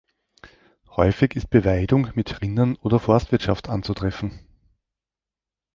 Häufig ist Beweidung mit Rindern oder Forstwirtschaft anzutreffen.